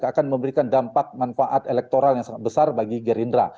akan memberikan dampak manfaat elektoral yang sangat besar bagi gerindra